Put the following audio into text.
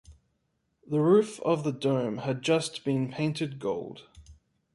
The roof of the dome had just been painted gold.